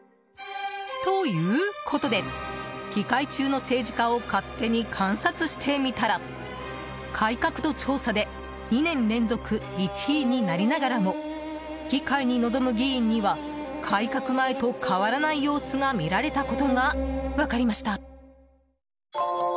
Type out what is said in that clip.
ということで、議会中の政治家を勝手に観察してみたら改革度調査で２年連続１位になりながらも議会に臨む議員には改革前と変わらない様子が見られたことが分かりました。